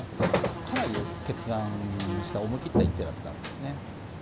かなり決断した、思い切った一手だったんですね。